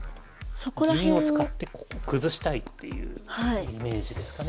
銀を使ってここ崩したいっていうイメージですかね。